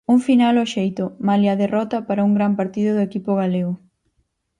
Un final ao xeito, malia a derrota, para un gran partido do equipo galego.